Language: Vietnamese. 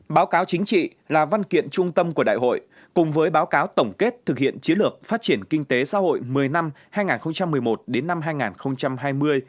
báo cáo chính trị là văn kiện trung tâm của đại hội cùng với báo cáo tổng kết thực hiện chiến lược phát triển kinh tế xã hội một mươi năm hai nghìn một mươi một đến năm hai nghìn hai mươi